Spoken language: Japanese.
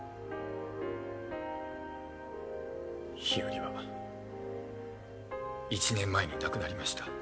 日和は１年前に亡くなりました。